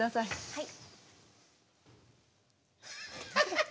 はい。